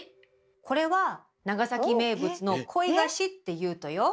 これは長崎名物の「鯉菓子」って言うとよ。